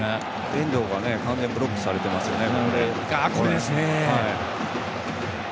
遠藤が完全にブロックされていましたね。